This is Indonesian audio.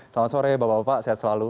selamat sore bapak bapak sehat selalu